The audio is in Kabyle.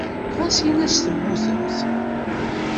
Ɣas in-as temmutemt.